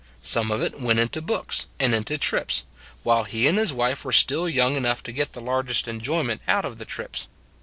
Some of it went into books and into trips, while he and his wife were still young enough to get the largest enjoyment out of the trips.